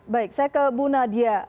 baik saya ke bu nadia